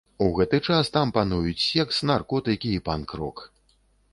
У гэты час там пануюць секс, наркотыкі і панк-рок.